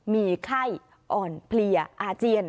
มีไข้อ่อนเพลียอาเจียน